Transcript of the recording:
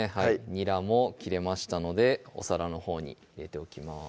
にらも切れましたのでお皿のほうに入れておきます